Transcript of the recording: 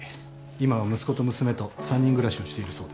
今は息子と娘と３人暮らしをしているそうです。